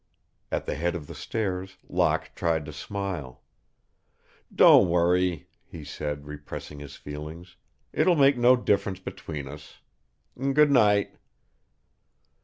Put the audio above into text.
At the head of the stairs Locke tried to smile. "Don't worry," he said, repressing his feelings. "It will make no difference between us. Good night."